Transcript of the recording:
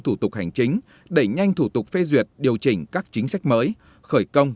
thủ tục hành chính đẩy nhanh thủ tục phê duyệt điều chỉnh các chính sách mới khởi công